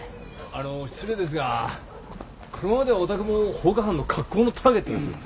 あの失礼ですがこのままではお宅も放火犯の格好のターゲットですよ。